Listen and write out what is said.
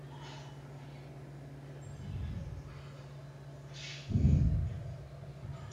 Les principaux moyens d'accès sont le train et les sentiers côtiers, très escarpés.